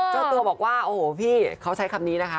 เจ้าตัวบอกว่าโอ้โหพี่เขาใช้คำนี้นะคะ